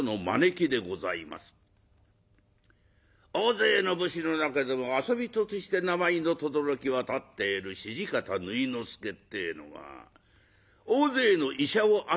大勢の武士の中でも遊人として名前のとどろき渡っている土方縫之助ってえのが大勢の医者を集めての宴席です。